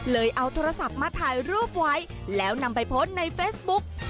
เอาโทรศัพท์มาถ่ายรูปไว้แล้วนำไปโพสต์ในเฟซบุ๊ก